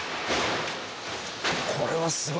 これはすごい。